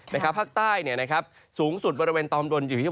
ภาคใต้นี่นะครับสูงสุดบริเวณตอมดนอยู่ที่